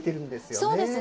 そうですね。